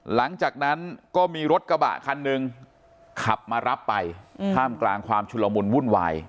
หลังจากนั้นก็มีรถกระบะคันหนึ่งขับมารับไปท่ามกลางความชุลมุนวุ่นวาย